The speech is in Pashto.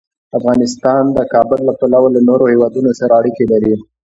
افغانستان د کابل له پلوه له نورو هېوادونو سره اړیکې لري.